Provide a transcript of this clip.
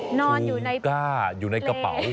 โอ้โหชูก้าอยู่ในกระเป๋า